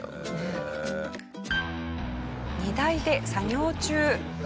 荷台で作業中。